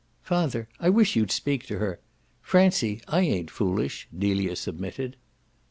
"Father, I wish you'd speak to her. Francie, I ain't foolish," Delia submitted.